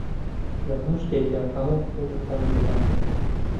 لە هەموو شتێکدا هەموو هەوڵی خۆم دەدەم.